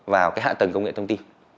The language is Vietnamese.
vào cái hạ tầng công nghệ thông tin